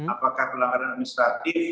apakah pelanggaran administratif